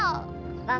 pasti gak kek gini kan